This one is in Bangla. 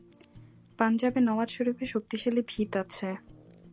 পাঞ্জাবে নওয়াজ শরিফের শক্তিশালী ভিত আছে।